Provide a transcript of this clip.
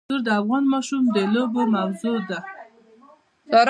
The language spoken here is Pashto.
کلتور د افغان ماشومانو د لوبو موضوع ده.